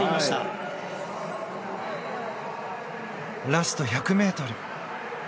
ラスト１００ｍ。